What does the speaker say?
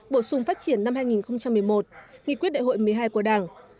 bổ sung phát triển năm hai nghìn một mươi một nghị quyết đại hội một mươi hai của đảng